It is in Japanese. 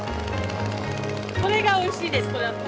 これがおいしいです。